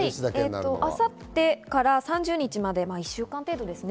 明後日から３０日まで１週間程度ですね。